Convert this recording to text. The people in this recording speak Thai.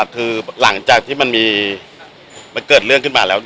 คือหลังจากที่มันเกิดเรื่องขึ้นมาแล้ว